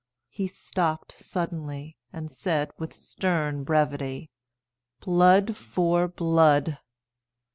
He stopped suddenly, and said, with stern brevity, "Blood for blood."